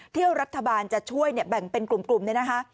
ที่รัฐบาลจะช่วยเนี่ยแบ่งเป็นกลุ่มเนี่ยนะคะ